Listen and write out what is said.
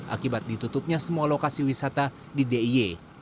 akibat ditutupnya semua lokasi wisata di diy